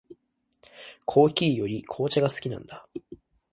コーヒーより紅茶が好きなんだ。